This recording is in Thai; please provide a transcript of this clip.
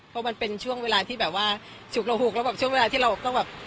เพราะมันเป็นช่วงเวลาที่แบบว่าฉุกระหุกแล้วแบบช่วงเวลาที่เราต้องแบบ